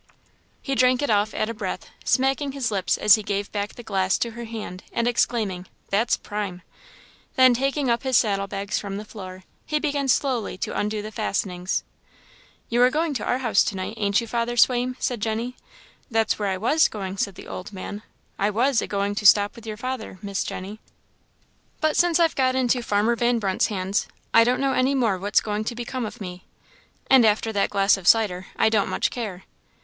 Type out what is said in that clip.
He drank it off at a breath, smacking his lips as he gave back the glass to her hand, and exclaiming, "That's prime!" Then taking up his saddle bags from the floor, he began slowly to undo the fastenings. "You are going to our house to night, ain't you, Father Swaim?" said Jenny. That's where I was going," said the old man "I was agoing to stop with your father, Miss Jenny; but since I've got into farmer Van Brunt's hands, I don't know any more what's going to become of me; and after that glass of cider, I don't much care!